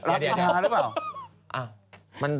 รับวิทยาหรือเปล่า